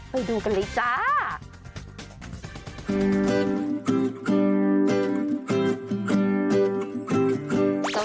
ไปดูกันเลยจ้า